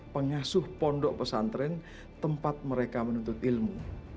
pengasuh pondok pesantren tempat mereka menuntut ilmu